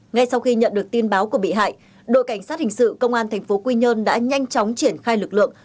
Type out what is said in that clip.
ngay sau khi nhận được tin báo của bị hại đội cảnh sát hình sự công an tp quy nhơn đã nhanh chóng triển khai lực lượng